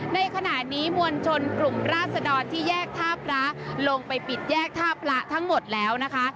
ในขณะนี้มวลชนกลุ่มราศดรที่แยกท่าพระลงไปปิดแยกท่าพระทั้งหมดแล้วนะคะ